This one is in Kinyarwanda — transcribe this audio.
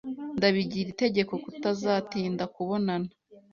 Ndabigira itegeko kutazatinda kubonana.